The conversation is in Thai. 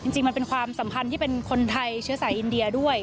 จริงมันเป็นความสำคัญที่เป็นคนไทยเชื้อสายอินเดีย